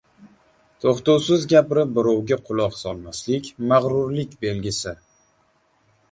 To‘xtovsiz gapirib, birovga quloq solmaslik mag‘rurlik belgisi.